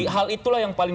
hal itulah yang paling